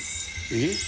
えっ？